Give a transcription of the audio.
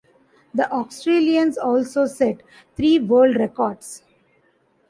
The Australians also set three world records.